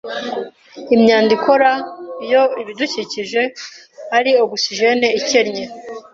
Imyanda ikora iyo ibidukikije ari ogisijeni ikennye